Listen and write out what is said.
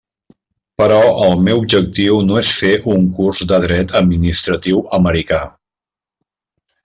Però el meu objectiu no és fer un curs de dret administratiu americà.